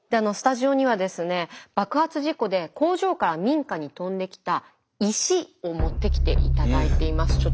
スタジオにはですね爆発事故で工場から民家に飛んできた石を持ってきて頂いています。